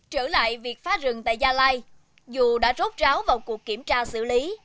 trở lại việc phá rừng tại gia lai dù đã rốt ráo vào cuộc kiểm tra xử lý